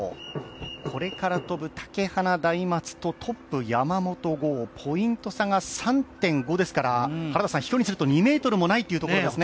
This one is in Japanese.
これから飛ぶ竹花大松とトップ・山元豪、ポイント差が３．５ですから、飛距離にすると２ｍもないということですね。